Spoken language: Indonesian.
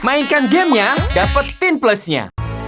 mainkan gamenya dapetin plusnya